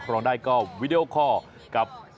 ก็อย่าลืมให้กำลังใจเมย์ในรายการต่อไปนะคะ